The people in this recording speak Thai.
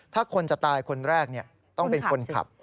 ถ้าคนจะตายคนแรกต้องเป็นคนขับ